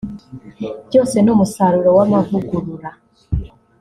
byose ni umusaruro w’amavugurura